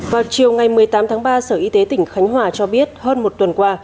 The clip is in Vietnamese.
vào chiều ngày một mươi tám tháng ba sở y tế tỉnh khánh hòa cho biết hơn một tuần qua